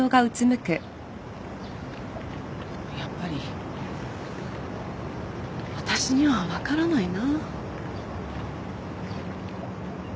やっぱり私には分からないな。